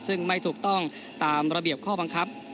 ซึ่งไม่ถูกต้องตามระเบียบข้อบังคับ